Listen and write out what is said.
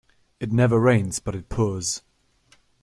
It never rains but it pours.